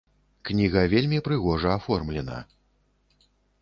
Кніга вельмі прыгожа аформлена.